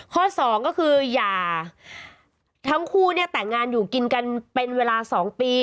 สองก็คืออย่าทั้งคู่เนี่ยแต่งงานอยู่กินกันเป็นเวลา๒ปี